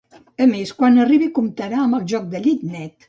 A més, quan arribi comptarà amb joc de llit net.